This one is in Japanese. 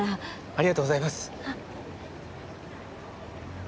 ありがとうございます。